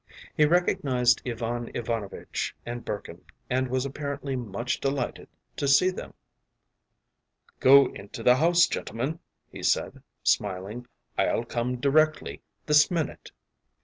He recognized Ivan Ivanovitch and Burkin, and was apparently much delighted to see them. “Go into the house, gentlemen,” he said, smiling; “I’ll come directly, this minute.